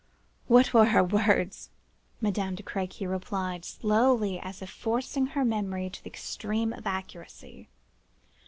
"'What were her words?' Madame de Crequy replied, slowly, as if forcing her memory to the extreme of accuracy.